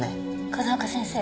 風丘先生。